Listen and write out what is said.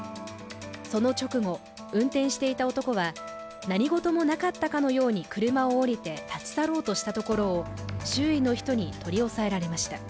その直後、運転していた男は何事もなかったかのように車から降りてたと去ろうとしていたところを周囲の人に取り押さえられました。